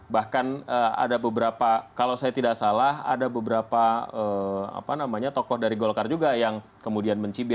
bahkan ada beberapa kalau saya tidak salah ada beberapa tokoh dari golkar juga yang kemudian mencibir